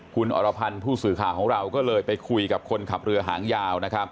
คุณอรพันธ์ผู้สื่อข่าวของเราก็เลยไปคุยกับคนขับเรือหางยาวนะครับ